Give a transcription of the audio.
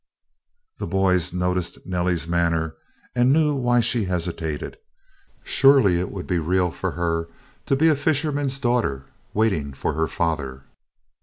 The boys noticed Nellie's manner, and knew why she hesitated. Surely it would be real for her to be a fisherman's daughter, waiting for her father!